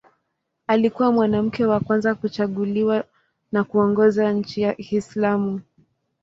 Alikuwa mwanamke wa kwanza kuchaguliwa na kuongoza nchi ya Kiislamu.